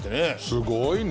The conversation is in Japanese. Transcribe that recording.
すごいね。